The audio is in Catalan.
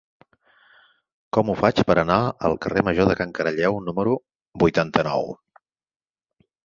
Com ho faig per anar al carrer Major de Can Caralleu número vuitanta-nou?